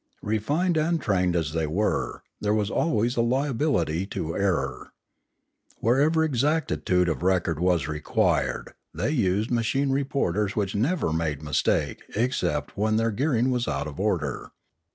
Refined and trained as they were, there was always a liability to error. Whenever exactitude of record was required they used machine reporters which never made mistake except when their gearing was out of order.